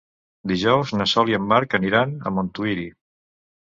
Dijous na Sol i en Marc aniran a Montuïri.